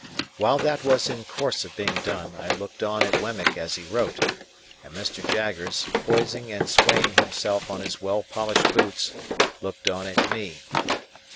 While that was in course of being done, I looked on at Wemmick as he wrote, and Mr. Jaggers, poising and swaying himself on his well polished boots, looked on at me.